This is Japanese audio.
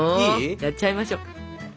やっちゃいましょう。